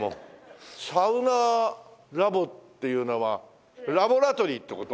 サウナラボっていうのはラボラトリーって事？